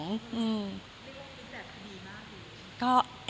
มีวันพริกแบบดีมากหรือ